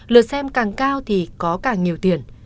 lượt xem càng cao thì có càng nhiều tiền